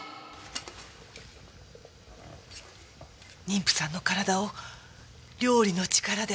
妊婦さんの体を料理の力で温めよう。